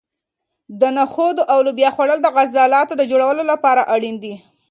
د نخودو او لوبیا خوړل د عضلاتو د جوړولو لپاره اړین دي.